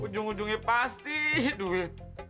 ujung ujungnya pasti duit